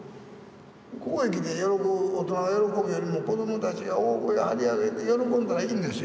ここへ来て大人が喜ぶよりも子どもたちが大声張り上げて喜んだらいいんですよ。